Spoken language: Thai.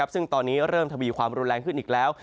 ซึ่งตอนนี้เริ่มทวีความรุนแรงขึ้นอีกแล้ว